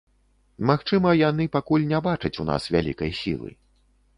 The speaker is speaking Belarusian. Магчыма, яны пакуль не бачаць у нас вялікай сілы.